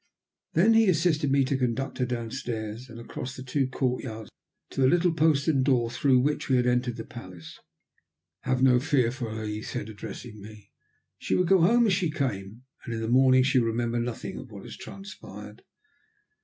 Then he assisted me to conduct her down stairs, and across the two courtyards, to the little postern door through which we had entered the palace. "Have no fear for her," he said, addressing me. "She will go home as she came. And in the morning she will remember nothing of what has transpired."